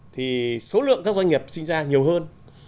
thì số lượng các doanh nghiệp sinh ra nhiều hơn